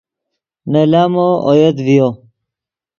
نے لامو اویت ڤیو